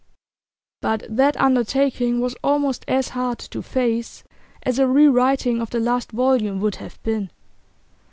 But that undertaking was almost as hard to face as a rewriting of the last volume would have been.